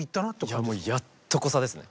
いやもうやっとこさですね。